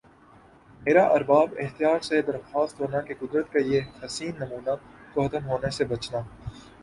میرا ارباب اختیار سے درخواست ہونا کہ قدرت کا یِہ حسین نمونہ کو ختم ہونا سے بچنا